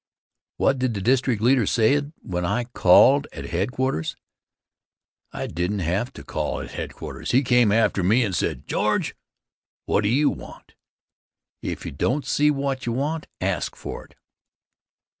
What did the district leader say then when I called at headquarters? I didn't have to call at headquarters. He came after me and said: "George, what do you want? If you don't see what you want, ask for it.